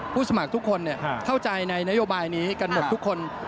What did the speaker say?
สมัครทุกคนเข้าใจในนโยบายนี้กันหมดทุกคน